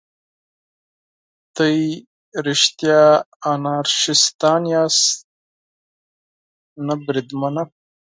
تاسې رښتیا انارشیستان یاست؟ نه بریدمنه.